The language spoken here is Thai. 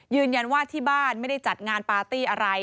ยืนยันว่าที่บ้านไม่ได้จัดงานปาร์ตี้อะไร